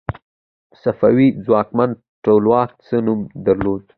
صفوي ځواکمن ټولواک څه نوم درلود؟